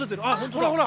ほらほら！